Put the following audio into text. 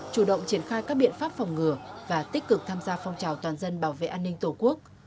chủ động triển khai các biện pháp phòng ngừa và tích cực tham gia phong trào toàn dân bảo vệ an ninh tổ quốc